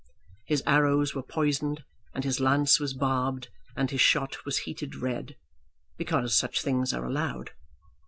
His arrows were poisoned, and his lance was barbed, and his shot was heated red, because such things are allowed.